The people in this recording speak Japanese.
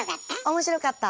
面白かった！